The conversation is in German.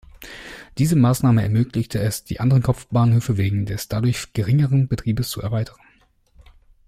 Diese Maßnahme ermöglichte es, die anderen Kopfbahnhöfe wegen des dadurch geringeren Betriebes zu erweitern.